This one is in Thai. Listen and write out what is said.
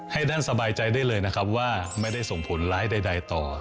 ให้ท่านสบายใจได้เลยนะครับว่าไม่ได้ส่งผลร้ายใดต่อ